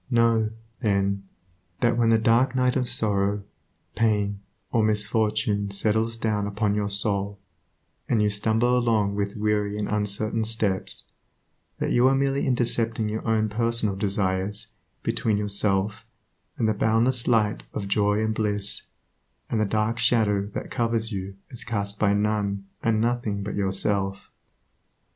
Know, then, that when the dark night of sorrow, pain, or misfortune settles down upon your soul, and you stumble along with weary and uncertain steps, that you are merely intercepting your own personal desires between yourself and the boundless light of joy and bliss, and the dark shadow that covers you is cast by none and nothing but yourself.